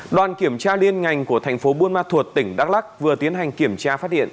đoàn kiểm tra liên ngành của thành phố buôn ma thuột tỉnh đắk lắc vừa tiến hành kiểm tra phát điện